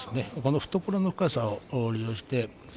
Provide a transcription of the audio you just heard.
懐の深さを利用して。